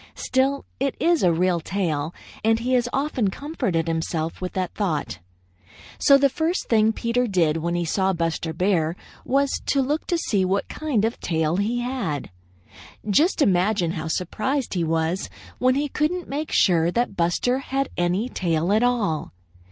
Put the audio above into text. Still, it is a real tail, and he has often comforted himself with that thought. So the first thing Peter did when he saw Buster Bear was to look to see what kind of a tail he had. Just imagine how surprised he was when he couldn't make sure that Buster had any tail at all.